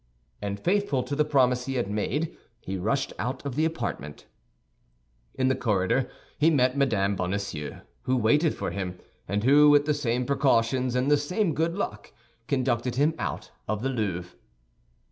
And faithful to the promise he had made, he rushed out of the apartment. In the corridor he met Mme. Bonacieux, who waited for him, and who, with the same precautions and the same good luck, conducted him out of the Louvre.